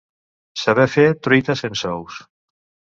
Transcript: Saber fer truita sense ous.